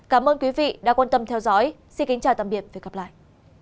cảm ơn các bạn đã theo dõi và hẹn gặp lại